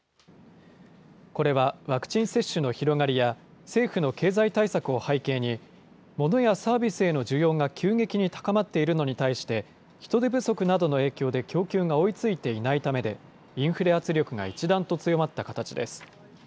これはワクチン接種の広がりや、政府の経済対策を背景に、モノやサービスへの需要が急激に高まっているのに対して、人手不足などの影響で供給が追いついていないためで、インフレ圧力が一段と強まった形です。